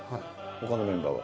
ほかのメンバーは。